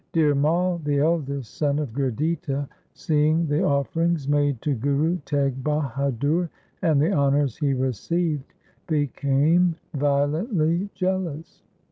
Dhir Mai, the eldest son of Gurditta, seeing the offerings made to Guru Teg Bahadur and the honours he received, became violently jealous.